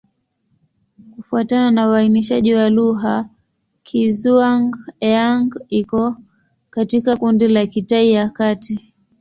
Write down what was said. Kufuatana na uainishaji wa lugha, Kizhuang-Yang iko katika kundi la Kitai ya Kati.